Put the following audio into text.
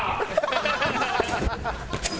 ハハハハ！